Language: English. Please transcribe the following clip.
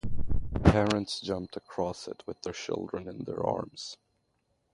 Parents jumped across it with their children in their arms.